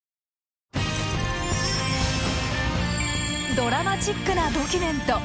ドラマチックなドキュメント。